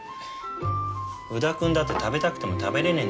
宇田くんだって食べたくても食べられねえんだよ。